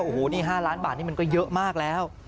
โอ้โหนี่๕ล้านบาทนี่มันก็เยอะมากแล้ว